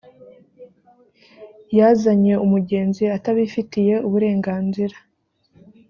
yazanye umugenzi atabifitiye uburenganzira.